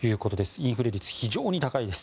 インフレ率、非常に高いです。